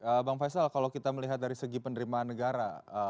baik bang faisal kalau kita melihat dari segi penerimaan negara